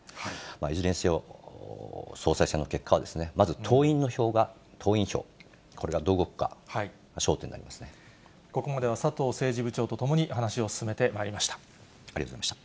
いずれにせよ、総裁選の結果はまず党員の票が、党員票、これがどう動くかが焦点ここまでは佐藤政治部長と共ありがとうございました。